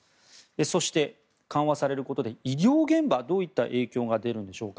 そして、緩和されることで医療現場はどういった影響が出るんでしょうか。